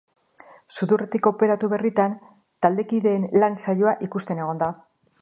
Sudurretik operatu berritan taldekideen lan saioa ikusten egon da.